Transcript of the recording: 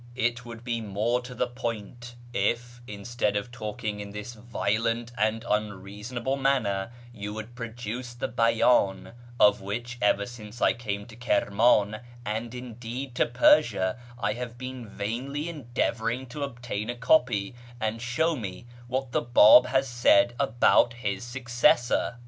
It would be more to the point if, instead of talking in this violent and unreasonable manner,, you would produce the Bcydn (of which, ever since I came to Kirman, and, indeed, to Persia, I have been vainly endeavouring to obtain a copy), and show me what the Bab has said about his successor."